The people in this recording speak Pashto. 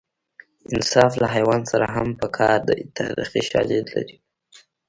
انصاف له حیوان سره هم په کار دی تاریخي شالید لري